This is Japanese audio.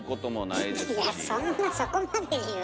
いやそんなそこまで言う？